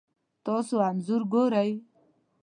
تاسو انځور ګورئ